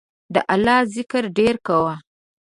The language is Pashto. د الله ذکر ډیر کوه